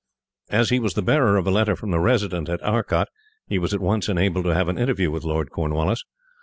As he was the bearer of a letter from the Resident at Arcot, he was at once enabled to have an interview with Lord Cornwallis.